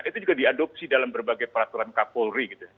itu juga diadopsi dalam berbagai peraturan kapolri gitu